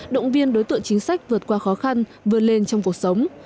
động viên đối tượng chính sách vượt qua khó khăn vươn lên trong cuộc sống